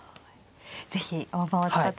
是非大盤を使って。